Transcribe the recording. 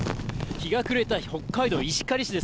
日が暮れた北海道石狩市です。